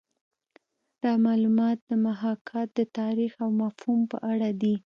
دا معلومات د محاکات د تاریخ او مفهوم په اړه دي